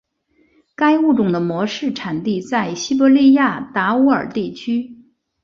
该物种的模式产地在西伯利亚达乌尔地区。